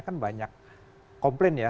kan banyak komplain ya